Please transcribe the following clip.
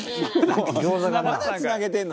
「まだつなげてるの？